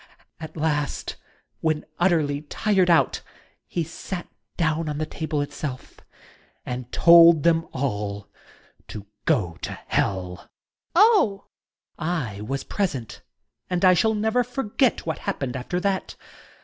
At last, when utterly tired out, he sat down on the table it self and told them all to go to hell ! YotJNG Ladt. Oh ! Student. I was present, and I shall never forget what happened after that.